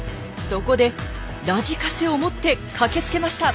そこでラジカセを持って駆けつけました！